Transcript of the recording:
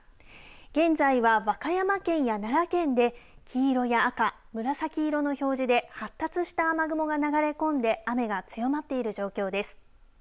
現在は和歌山県や奈良県で黄色や赤、紫色の表示で発達した雨雲が流れ込んで雨が強まっている状況です。